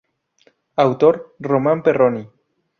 Autor: Román Perroni.